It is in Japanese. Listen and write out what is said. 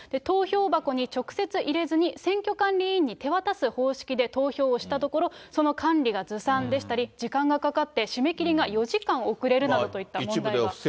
投票箱に直接入れずに、選挙管理委員に手渡す方式で投票をしたところ、その管理がずさんでしたり、時間がかかって締め切りが４時間遅れるなどといった問題が。